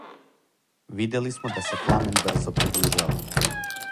Видели смо да се пламен брзо приближава.